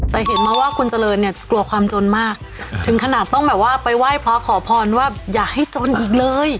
แต่เห็นมาว่าคุณเจริญเนี่ยกลัวความจนมากถึงขนาดต้องแบบว่าไปไหว้พระขอพรว่าอย่าให้จนอีกเลย